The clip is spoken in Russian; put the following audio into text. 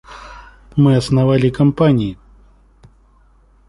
Мы основали компании.